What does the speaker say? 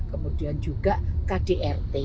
kemudian juga kdrt